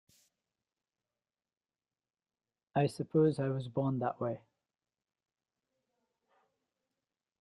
I suppose I was born that way.